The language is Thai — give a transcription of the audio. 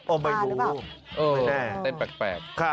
โอ้มายดูแต่แปลก